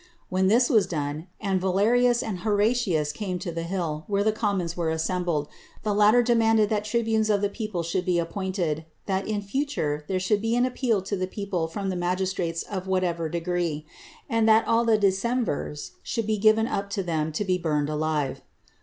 When this was done, and Valerius and Horatius came to the hill where the commons were assembled, the latter demanded that tribunes of the people should be appointed; that in future there should be an appeal to the people from the magistrates of whatever degree; and that all the decemvirs should be given up to them to be burned alive.